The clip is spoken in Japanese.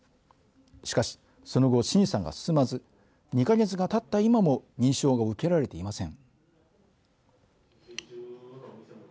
しかし、その後審査が進まず２か月がたった今も認証が受けられていません。